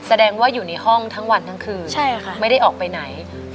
แสดงว่าอยู่ในห้องทั้งวันทั้งคืนไม่ได้ออกไปไหน